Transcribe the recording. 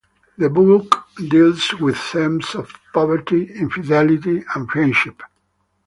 The book deals with themes of poverty, infidelity, and friendship.